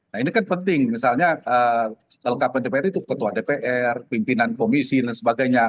nah ini kan penting misalnya lkp dpr itu ketua dpr pimpinan komisi dan sebagainya